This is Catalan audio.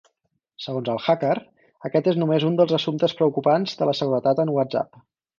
Segons el hacker, aquest és només un dels assumptes preocupants de la seguretat en WhatsApp.